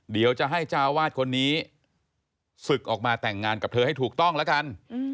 เดี๋ยวจะให้เจ้าวาดคนนี้ศึกออกมาแต่งงานกับเธอให้ถูกต้องแล้วกัน